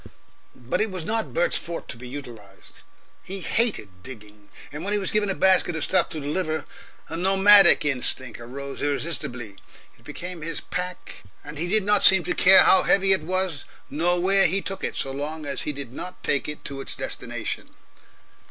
But it was not Bert's forte to be utilised. He hated digging, and when he was given a basket of stuff to deliver, a nomadic instinct arose irresistibly, it became his pack and he did not seem to care how heavy it was nor where he took it, so long as he did not take it to its destination.